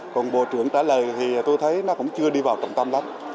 còn bộ trưởng trả lời thì tôi thấy nó cũng chưa đi vào trọng tâm lắm